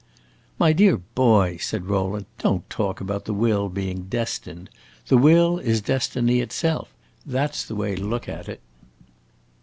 "My dear boy," said Rowland, "don't talk about the will being 'destined.' The will is destiny itself. That 's the way to look at it."